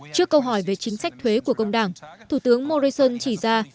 trước câu hỏi về chính sách thuế của công đảng thủ tướng morrison chỉ ra